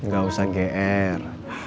gak usah gr